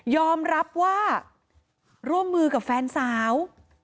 อมรับว่าร่วมมือกับแฟนสาว